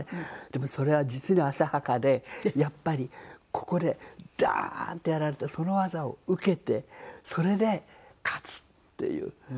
でもそれは実に浅はかでやっぱりここでダーンとやられてその技を受けてそれで勝つっていう。